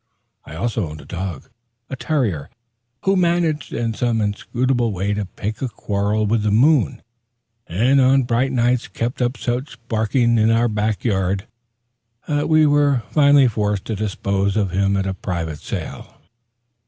I also owned a dog, a terrier, who managed in some inscrutable way to pick a quarrel with the moon, and on bright nights kept up such a ki yi ing in our back garden, that we were finally forced to dispose of him at private sale.